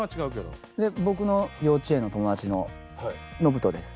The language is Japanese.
僕の幼稚園の友達の信人です。